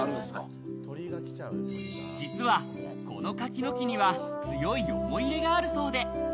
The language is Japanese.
実はこの柿の木には強い思い入れがあるそうで。